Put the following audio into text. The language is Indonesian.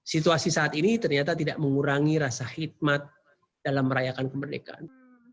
situasi saat ini ternyata tidak mengurangi rasa hikmat dalam merayakan kemerdekaan